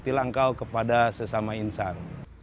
terbagaikan engkau kepada sesama insan